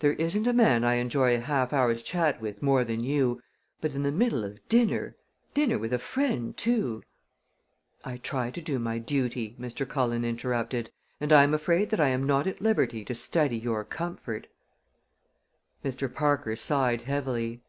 There isn't a man I enjoy a half hour's chat with more than you; but in the middle of dinner dinner with a friend too " "I try to do my duty," Mr. Cullen interrupted, "and I am afraid that I am not at liberty to study your comfort." Mr. Parker sighed heavily.